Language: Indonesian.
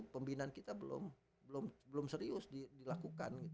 pembinaan kita belum serius dilakukan